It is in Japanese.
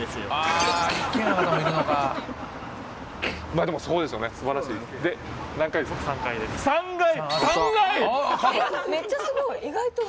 まあでもそうですよね素晴らしい３階！３階！